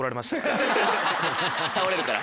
倒れるから？